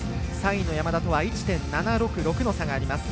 ３位の山田とは１．７６６の差があります。